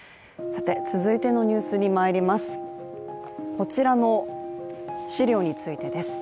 こちらの資料についてです。